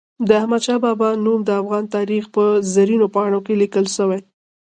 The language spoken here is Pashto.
د احمد شاه بابا نوم د افغان تاریخ په زرینو پاڼو کې لیکل سوی.